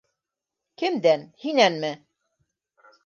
- Кемдән?! һинәнме?!